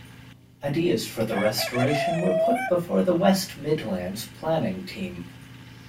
Ideas for the restoration were put before the West Midlands planning team.